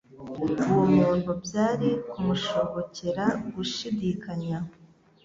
Uwo muntu byari kumushobokera gushidikanya